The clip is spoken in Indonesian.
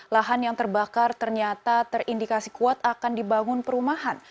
lahan yang terbakar ternyata terindikasi kuat akan dibangun perumahan